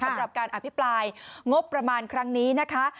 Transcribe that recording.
สำหรับการอภิปรายงบประมาณครั้งนี้นะคะ